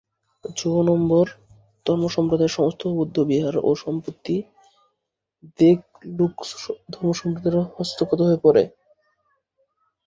জো-নম্বর ধর্মসম্প্রদায়ের সমস্ত বৌদ্ধবিহার ও সম্পত্তি দ্গে-লুগ্স ধর্মসম্প্রদায়ের হস্তগত হয়ে পড়ে।